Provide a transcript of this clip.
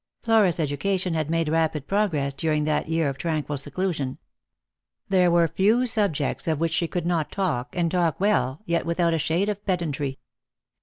Flora's education had made rapid progress during that year of tranquil seclusion. There were few subjects of which she could not talk, and talk well, yet without a shade of pedantry.